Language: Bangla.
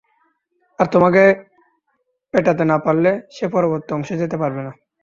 আর তোমাকে পেটাতে না পারলে, সে পরবর্তী অংশে যেতে পারবে না।